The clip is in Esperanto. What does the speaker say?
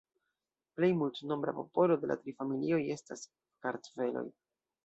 Plej multnombra popolo de la tri familioj estas kartveloj.